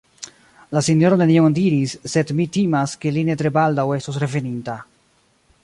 La Sinjoro nenion diris, sed mi timas, ke li ne tre baldaŭ estos reveninta.